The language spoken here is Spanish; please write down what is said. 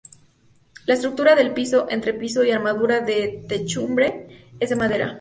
La estructura del piso, entrepiso y armadura de techumbre es de madera.